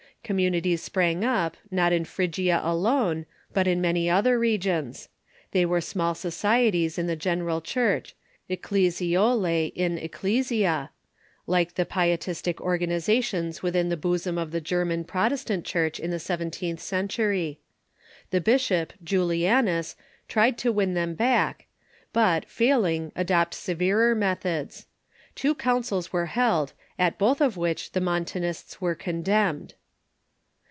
Commu nities sprang up, not in Phrygia alone, but in many other regions. They were small societies in the general Church — ecclesiolae in ecclesia — like the Pietistic organizations wathin the bosom of the German Protestant Church in the seventeenth century. The bishop, Julianas, tried to win them back, but, failing, adopted severer methods. Two councils were held, at both of which the jMontanists were condemned.